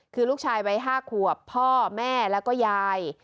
คือลูกชายวัย๕ขวบพ่อแม่แล้วก็ยาย